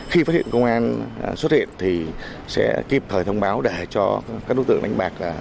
khi phát hiện công an xuất hiện thì sẽ kịp thời thông báo để cho các đối tượng đánh bạc